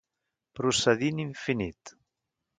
Procedir en infinit.